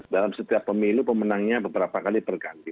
dalam setiap pemilu pemenangnya beberapa kali berganti